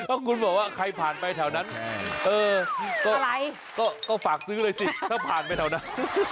เพราะคุณบอกว่าใครผ่านไปแถวนั้นเออก็ฝากซื้อเลยสิถ้าผ่านไปแถวนั้น